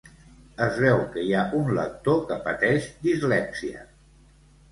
Es veu que hi ha un lector que pateix dislèxia